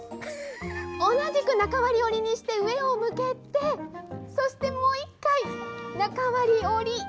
同じく中割折りにして上を向けてそしてもう１回、中割折り。